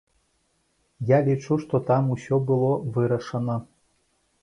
Я лічу, што там усё ўжо было вырашана.